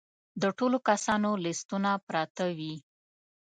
د ټولو کسانو لیستونه پراته وي.